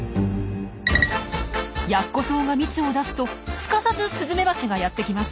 ヤッコソウが蜜を出すとすかさずスズメバチがやって来ます。